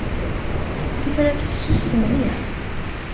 Tifrat fessuset mliḥ.